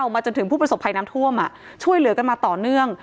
มาจนถึงผู้ประสบภัยน้ำท่วมช่วยเหลือกันมาต่อเนื่อง